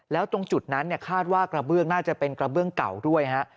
แล้วตรงจุดนั้นคาดว่ากระเบื้องน่าจะเป็นกระเบื้องเก่าด้วยฮะ